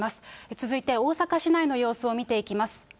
続いて大阪市内の様子を見ていきます。